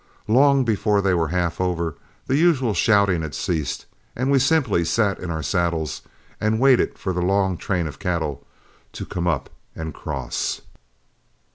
Long before they were half over, the usual shouting had ceased, and we simply sat in our saddles and waited for the long train of cattle to come up and cross.